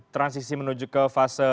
transisi menuju ke fase